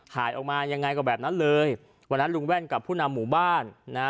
หายออกมายังไงก็แบบนั้นเลยวันนั้นลุงแว่นกับผู้นำหมู่บ้านนะ